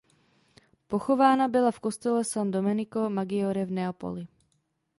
Pochována byla v kostele San Domenico Maggiore v Neapoli.